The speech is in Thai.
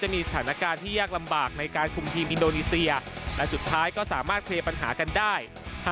มีสถานการณ์ยากลำบากในการทีอินโดนีเซียซึ่งสามารถเคลียร์ปัญหากันได้